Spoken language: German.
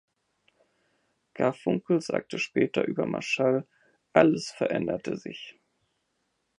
Garfunkel sagte später über Marshall, Alles veränderte sich.